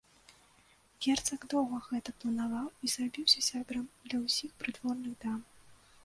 Герцаг доўга гэта планаваў і зрабіўся сябрам для ўсіх прыдворных дам.